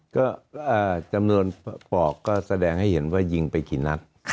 ก็จำนวนปอกก็แสดงให้เห็นว่ายิงไปกี่นัด